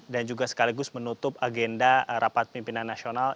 dan juga sekaligus menutup agenda rapat pimpinan nasional